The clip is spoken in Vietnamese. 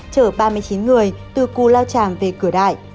chở ba mươi chín người từ cù lao tràm về cửa đại